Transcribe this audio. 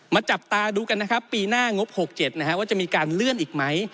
จับตาดูกันนะครับปีหน้างบ๖๗ว่าจะมีการเลื่อนอีกไหม